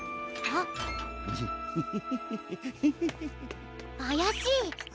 あやしい！